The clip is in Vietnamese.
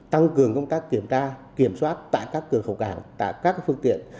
tăng cường công tác kiểm tra kiểm soát tại các cửa khẩu cảng các phương tiện